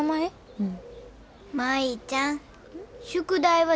うん。